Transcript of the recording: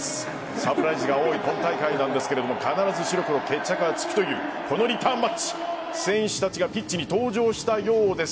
サプライズが多い今大会ですが必ず白黒決着がつくというこのリターンマッチ、選手たちがピッチに登場したようです。